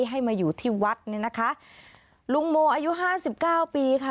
ให้มาอยู่ที่วัดลุงโมอายุ๕๙ปีค่ะ